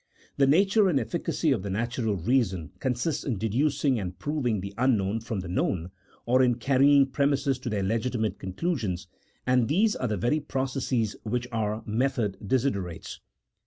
The nature and efficacy of the natural reason consists in deducing and proving the unknown from the known, or in carrying premises to their legitimate con clusions; and these are the very processes which our method desiderates.